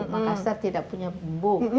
makassar tidak punya bumbu